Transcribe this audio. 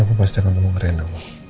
aku pasti akan temukan reina